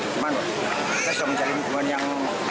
cuman kita sudah mencari hubungan yang